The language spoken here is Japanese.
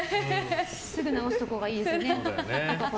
すぐ直すところがいいですね。